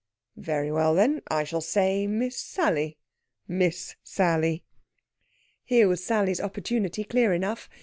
"Very well, then. I shall say Miss Sally. Miss Sally!" Here was Sally's opportunity, clear enough.